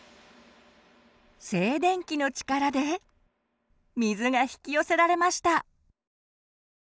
静電気の力で水が引き寄せられました！